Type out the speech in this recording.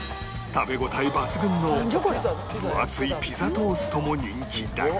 食べ応え抜群の分厚いピザトーストも人気だが